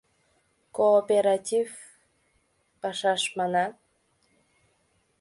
— Кооператив пашаш, манат?